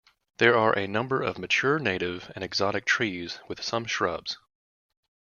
There are a number of mature native and exotic trees with some shrubs.